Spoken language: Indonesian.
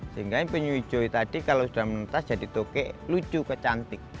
sehingga penyu hijau tadi kalau sudah menentas jadi tukek lucu kecantik